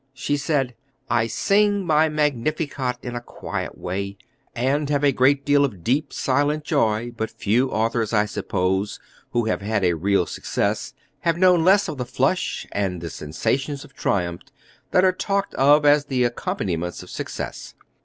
She said: "I sing my magnificat in a quiet way, and have a great deal of deep, silent joy; but few authors, I suppose, who have had a real success, have known less of the flush and the sensations of triumph that are talked of as the accompaniments of success.